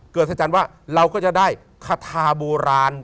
เกิดสัจจันว่าเราก็จะได้คาทาบูราณ